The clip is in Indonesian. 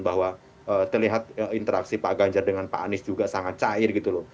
bahwa terlihat interaksi pak ganjar dengan pak anies juga sangat cair gitu loh